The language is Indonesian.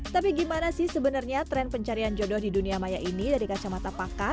tapi gimana sih sebenarnya tren pencarian jodoh di dunia maya ini dari kacamata pakar